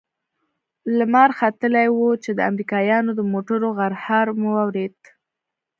لمر ختلى و چې د امريکايانو د موټرو غرهار مو واورېد.